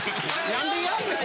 なんでやんねん。